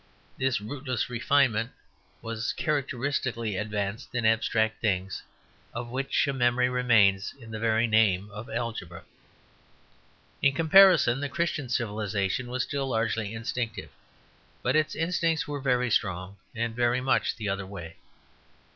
This rootless refinement was characteristically advanced in abstract things, of which a memory remains in the very name of algebra. In comparison the Christian civilization was still largely instinctive, but its instincts were very strong and very much the other way.